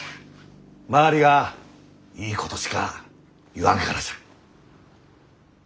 周りがいいことしか言わんからじゃ。